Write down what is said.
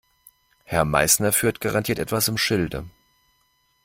Herr Meißner führt garantiert etwas im Schilde.